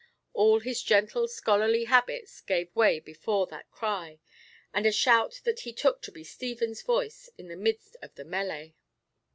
All his gentle, scholarly habits gave way before that cry, and a shout that he took to be Stephen's voice in the midst of the mêlée.